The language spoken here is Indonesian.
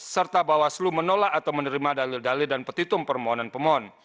serta bawaslu menolak atau menerima dalil dalil dan petitum permohonan pemohon